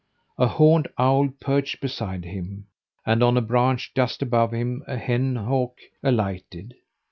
A horned owl perched beside him, and on a branch just above him a hen hawk alighted.